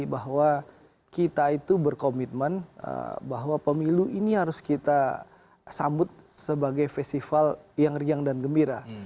bahwa kita itu berkomitmen bahwa pemilu ini harus kita sambut sebagai festival yang riang dan gembira